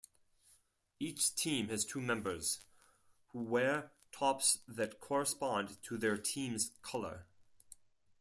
Each team has two members, who wear tops that correspond to their team's colour.